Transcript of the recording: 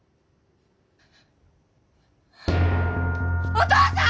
お父さん！